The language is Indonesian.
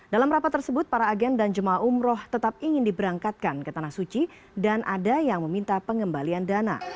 dalam rapat tersebut para agen dan jemaah umroh tetap ingin diberangkatkan ke tanah suci dan ada yang meminta pengembalian dana